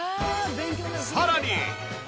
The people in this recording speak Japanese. さらに。